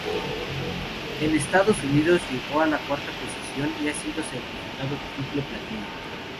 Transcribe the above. En Estados Unidos llegó a la cuarta posición y ha sido certificado triple platino.